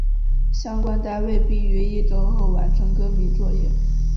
相关单位并于一周后完成更名作业。